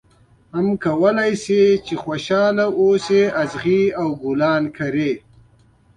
او هم کولای شې خوشاله اوسې چې اغزي ګلان لري.